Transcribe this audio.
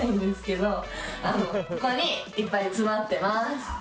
あのここにいっぱい詰まってます。